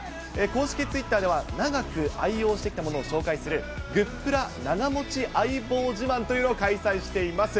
公式ツイッターでは、長く愛用してきたものを紹介する、グップラ長持ち相棒自慢というのを開催しています。